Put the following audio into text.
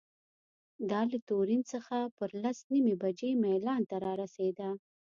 دا له تورین څخه پر لس نیمې بجې میلان ته رارسېده.